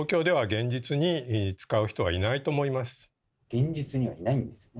現実にはいないんですね。